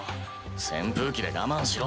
扇風機で我慢しろ。